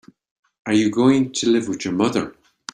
Are you going to live with your mother?